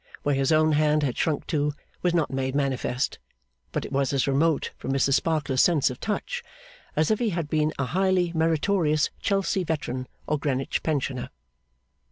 Where his own hand had shrunk to, was not made manifest, but it was as remote from Mrs Sparkler's sense of touch as if he had been a highly meritorious Chelsea Veteran or Greenwich Pensioner.